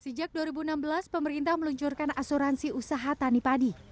sejak dua ribu enam belas pemerintah meluncurkan asuransi usaha tani padi